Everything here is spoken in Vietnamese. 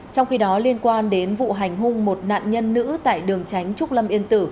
trong khi đó liên quan đến vụ hành hung một nạn nhân nữ tại đường tránh trúc lâm yên tử